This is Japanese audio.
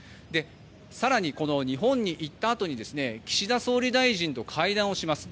更に、日本に行ったあとに岸田総理大臣と会談をします。